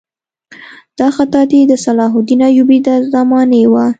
دا خطاطي د صلاح الدین ایوبي د زمانې وه.